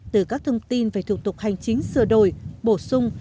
từ các thông tin về thủ tục hành chính sửa đổi bổ sung